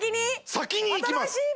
先にいきます